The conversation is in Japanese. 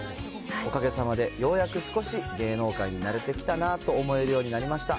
おかげさまでようやく少し芸能界に慣れてきたなと思えるようになりました。